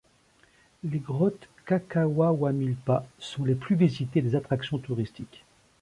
Les Grottes Cacahuawamilpa sont les plus visitées des attractions touristiques.